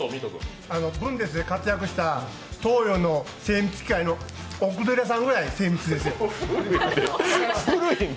ブンデスで活躍した東洋の精密機械の奥寺さんぐらい精密ですよ。